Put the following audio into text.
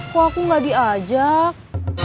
kok aku nggak diajak